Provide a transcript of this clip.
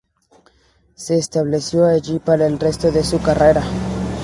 Se estableció allí para el resto de su carrera.